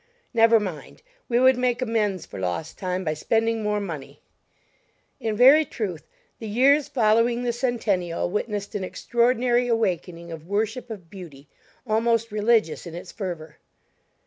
Never mind, we would make amends for lost time by spending more money! In very truth the years following the Centennial witnessed an extraordinary awakening of worship of beauty, almost religious in its fervor.